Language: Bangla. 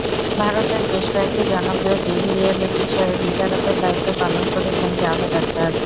ভারতের বেশ কয়েকটি জনপ্রিয় টিভি রিয়েলিটি শোয়ের বিচারকের দায়িত্ব পালন করেছেন জাভেদ আখতার।